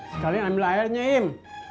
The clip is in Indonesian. sekalian ambil airnya im